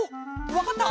わかった？